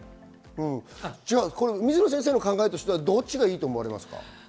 水野先生の考えとしては、どちらがいいと思いますか？